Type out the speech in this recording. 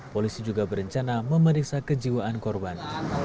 polisi juga berencana memeriksa kejiwaan korban